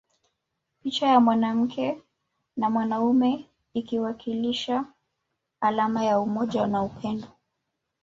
Picha ya mwanamke na mwanaume ikiwakilisha alama ya umoja na upendo